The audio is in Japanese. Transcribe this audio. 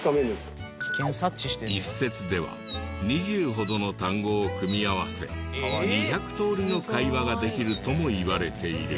一説では２０ほどの単語を組み合わせ２００通りの会話ができるともいわれている。